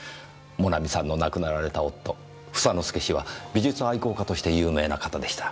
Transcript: モナミさんの亡くなられた夫房之助氏は美術愛好家として有名な方でした。